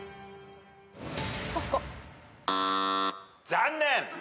残念！